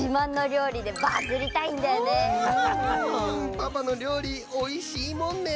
パパのりょうりおいしいもんね！